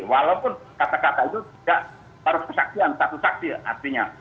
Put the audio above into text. walaupun kata kata itu tidak harus kesaksian satu saksi artinya